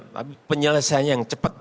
tapi penyelesaiannya yang cepat